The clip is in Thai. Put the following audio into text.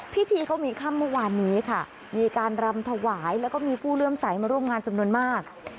พิธีเขามีค่ำเมื่อวานนี้ค่ะมีการรำถวายแล้วก็มีผู้เลื่อมใสมาร่วมงานจำนวนมาก